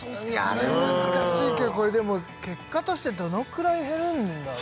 あれ難しいけどこれでも結果としてどのくらい減るんだろう？